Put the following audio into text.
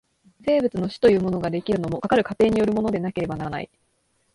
生物の種というものが出来るのも、かかる過程によるものでなければならない。